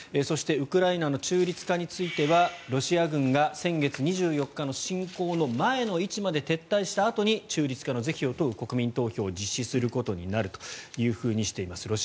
そして、ウクライナの中立化についてはロシア軍が先月２４日の侵攻の前の位置まで撤退したあとに中立化の是非を問う国民投票を実施することになるとしています。